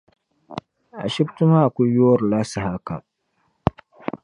Ashibiti maa kuli yoorila saha kam.